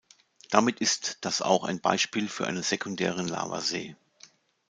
Damit ist das auch ein Beispiel für einen "sekundären Lavasee".